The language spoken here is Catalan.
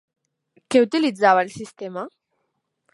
Què utilitzava el sistema?